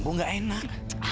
bu nggak enak